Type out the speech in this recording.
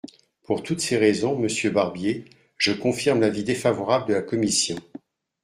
Pour toutes ces raisons, monsieur Barbier, je confirme l’avis défavorable de la commission.